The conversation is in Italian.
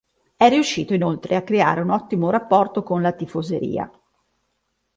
È riuscito inoltre a creare un ottimo rapporto con la tifoseria.